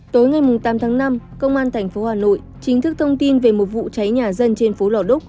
tối ngày tám tháng năm công an tp hà nội chính thức thông tin về một vụ cháy nhà dân trên phố lò đúc